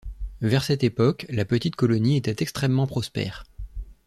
Vers cette époque, la petite colonie était extrêmement prospère